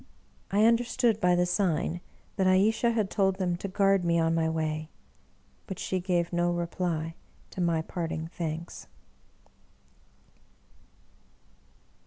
I understood by the sign that Ayesha had told them to guard me on my way; but she gave no reply to my parting thanks.